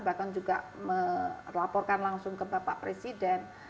bahkan juga melaporkan langsung ke bapak presiden